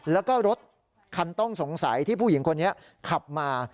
แล้วก็รถคันต้องสงสัยที่ผู้หญิงคนนี้ขับมา